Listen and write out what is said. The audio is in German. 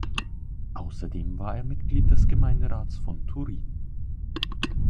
Außerdem war er Mitglied des Gemeinderats von Turin.